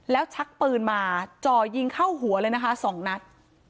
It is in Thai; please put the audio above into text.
แล้วชักปืนมาจ่อยิงเข้าหัวเลยนะคะ๒นัด